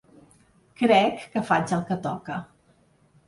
Crec que faig el que toca.